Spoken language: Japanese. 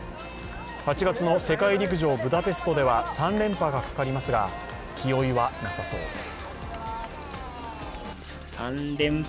８月の世界陸上ブダペストでは３連覇がかかりますが気負いはなさそうです。